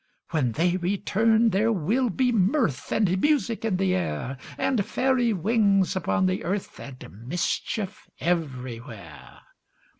When they return, there will be mirth And music in the air, And fairy wings upon the earth, And mischief everywhere.